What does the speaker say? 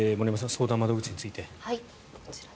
相談窓口について。